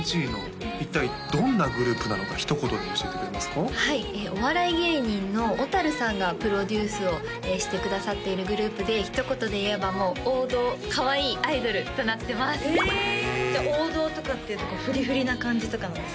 一体どんなグループなのかひと言で教えてくれますかはいお笑い芸人のヲタルさんがプロデュースをしてくださっているグループでひと言で言えばもう王道かわいいアイドルとなってますへえ王道とかっていうとこうフリフリな感じとかなんですか？